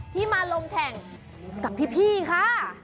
ที่มาลงแข่งกับพี่ค่ะ